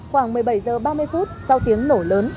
khoảng một mươi bảy h ba mươi phút sau tiếng nổ lớn